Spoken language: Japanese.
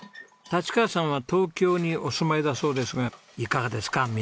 立川さんは東京にお住まいだそうですがいかがですか？